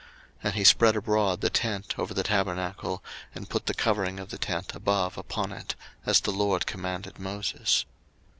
02:040:019 And he spread abroad the tent over the tabernacle, and put the covering of the tent above upon it; as the LORD commanded Moses.